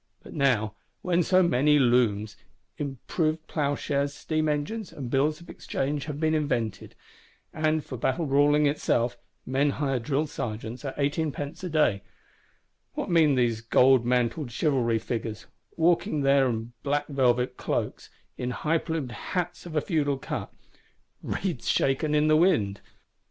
But now, when so many Looms, improved Ploughshares, Steam Engines and Bills of Exchange have been invented; and, for battle brawling itself, men hire Drill Sergeants at eighteen pence a day,—what mean these goldmantled Chivalry Figures, walking there "in black velvet cloaks," in high plumed "hats of a feudal cut"? Reeds shaken in the wind!